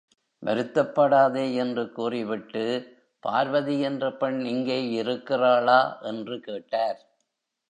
வருத்தப்படாதே என்று கூறிவிட்டு, பார்வதி என்ற பெண் இங்கே இருக்கிறாளா? என்று கேட்டார்.